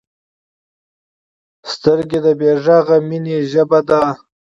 سترګې د بې غږه مینې ژبه ده